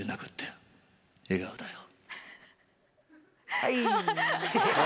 はい！